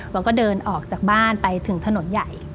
แล้วก็เดินออกจากบ้านไปถึงถนนใหญ่